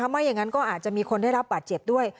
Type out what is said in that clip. ไม่อย่างนั้นก็อาจจะมีคนได้รับบาดเจ็บด้วย